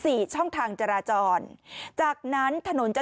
สุดยอดดีแล้วล่ะ